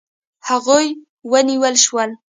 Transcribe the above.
هغوی ونیول شول.